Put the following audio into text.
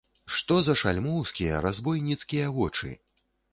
Што за шальмоўскія, разбойніцкія вочы!